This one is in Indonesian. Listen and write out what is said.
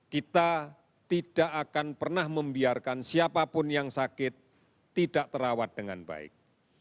kita tidak akan pernah membiarkan siapapun yang sakit tidak terawat dengan baik